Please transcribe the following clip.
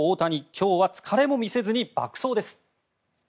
今日は疲れも見せずに爆走です。